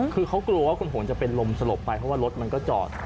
คือเขากลัวว่าคุณหงจะเป็นลมสลบไปเพราะว่ารถมันก็จอด